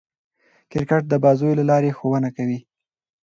کرکټ د بازيو له لاري ښوونه کوي.